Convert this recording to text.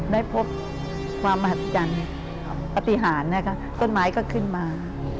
ได้พบความมหัศจรรย์ปฏิหารนะคะต้นไม้ก็ขึ้นมา